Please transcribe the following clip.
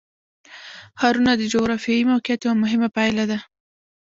ښارونه د جغرافیایي موقیعت یوه مهمه پایله ده.